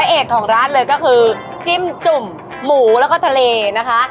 เอกของร้านเลยก็คือจิ้มจุ่มหมูแล้วก็ทะเลนะคะ